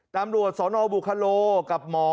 ตามรวชสอนอวบูคาโลกับหมอ